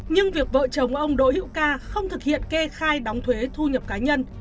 nhưng việc vợ chồng ông đỗ hữu ca không thực hiện kê khai đóng thuế thu nhập cá nhân